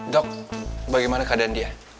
dok bagaimana keadaan dia